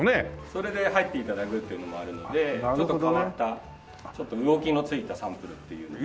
それで入って頂くっていうのもあるのでちょっと変わったちょっと動きのついたサンプルっていうのを。